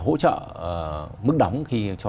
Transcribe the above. hỗ trợ mức đóng khi cho